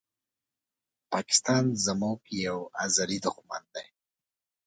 پاکستان زموږ یو ازلې دښمن دي